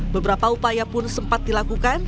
beberapa upaya pun sempat dilakukan